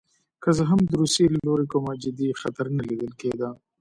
که څه هم د روسیې له لوري کوم جدي خطر نه لیدل کېده.